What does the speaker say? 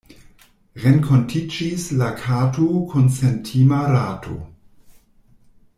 Renkontiĝis la kato kun sentima rato.